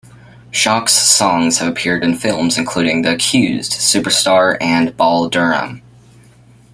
Schock's songs have appeared in films including "The Accused", "Superstar", and "Bull Durham".